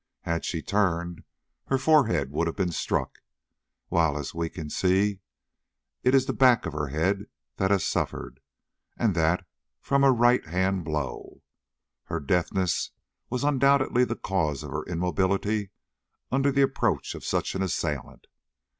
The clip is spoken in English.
Had she turned, her forehead would have been struck, while, as all can see, it is the back of her head that has suffered, and that from a right hand blow. Her deafness was undoubtedly the cause of her immobility under the approach of such an assailant.